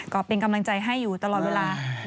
ก็เป็นกำลังใจให้อยู่ตลอดเวลา